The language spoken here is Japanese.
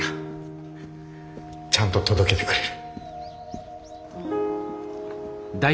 ちゃんと届けてくれる。